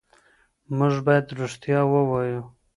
موږ باید رښتیا ووایو.